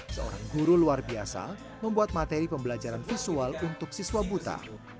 seorang guru luar biasa membuat materi pembelajaran visual untuk siswa buta